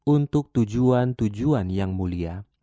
untuk tujuan tujuan yang mulia